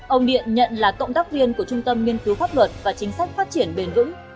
ông điện nhận là cộng tác viên của trung tâm nghiên cứu pháp luật và chính sách phát triển bền vững